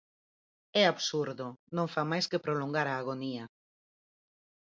É absurdo, non fan máis que prolongar a agonía.